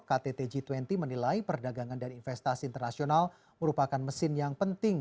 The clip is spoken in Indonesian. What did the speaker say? ktt g dua puluh menilai perdagangan dan investasi internasional merupakan mesin yang penting